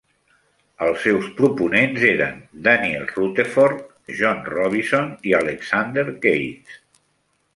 Els seus proponents eren Daniel Rutherford, John Robison i Alexander Keith.